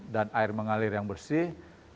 dan air mengalir yang bersih